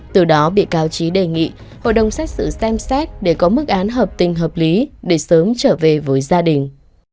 từ đó bị cáo trí đề nghị hội đồng xét xử xem xét để có mức án hợp tình hợp lý để sớm trở về với gia đình